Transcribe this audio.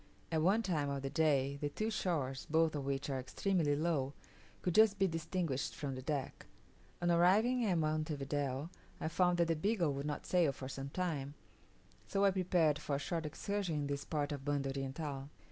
At one time of the day, the two shores, both of which are extremely low, could just be distinguished from the deck. On arriving at Monte Video I found that the Beagle would not sail for some time, so I prepared for a short excursion in this part of Banda Oriental.